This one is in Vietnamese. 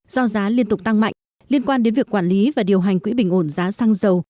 do giá liên tục tăng mạnh liên quan đến việc quản lý và điều hành quỹ bình ổn giá xăng dầu